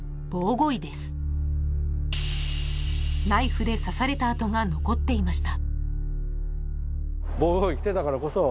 ［ナイフで刺された痕が残っていました］